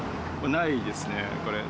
ないですね、これ。